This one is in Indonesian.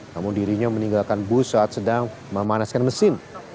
namun dirinya meninggalkan bus saat sedang memanaskan mesin